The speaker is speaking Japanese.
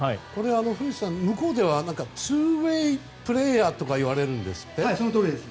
古内さん、これは向こうではツーウェイプレーヤーと言われるんですって。